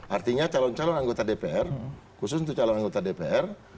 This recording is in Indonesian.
artinya calon calon anggota dpr khusus untuk calon anggota dpr